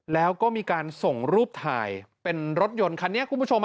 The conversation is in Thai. แล้วก็มีการส่งรูปถ่ายเป็นรถยนต์คันนี้คุณผู้ชม